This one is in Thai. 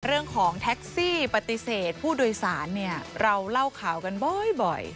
เรื่องของแท็กซี่ปฏิเสธผู้โดยสารเนี่ยเราเล่าข่าวกันบ่อย